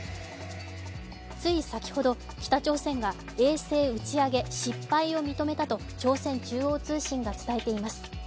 つい先ほど、北朝鮮が衛星打ち上げ失敗を認めたと朝鮮中央通信が伝えています。